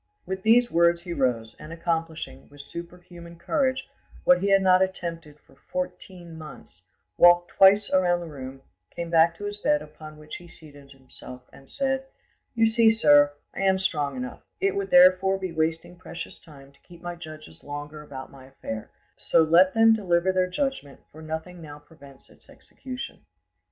With these words he rose, and accomplishing, with superhuman courage, what he had not attempted for fourteen months, walked twice round the room, came back to his bed, upon which he seated himself, and said: "You see, sir, I am strong enough; it would therefore be wasting precious time to keep my judges longer about my affair; so let them deliver their judgment, for nothing now prevents its execution."